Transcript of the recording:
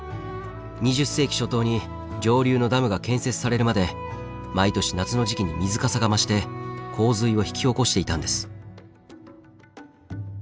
２０世紀初頭に上流のダムが建設されるまで毎年夏の時期に水かさが増して洪水を引き起こしていたんです。